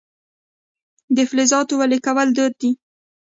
د فلزاتو ویلې کول دود و